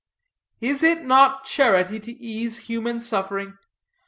"Is it not charity to ease human suffering?